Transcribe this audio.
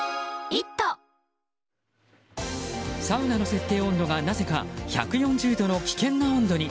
サウナの設定温度がなぜか１４０度の危険な温度に。